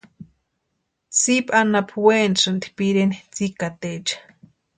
Tsipa anapu wénasïnti pireni tsikataecha.